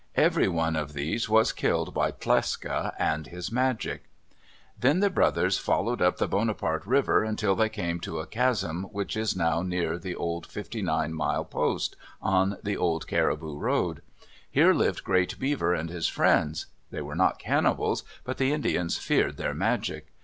Every one of these was killed by Tlecsa and his magic. Then the brothers followed up the Bonaparte River until they came to a chasm which is now near the old fifty nine mile post, on the old Caribou road. Here lived Great Beaver and his friends. They were not cannibals, but the Indians feared their magic.